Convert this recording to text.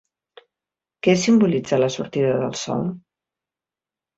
Què simbolitza la sortida del sol?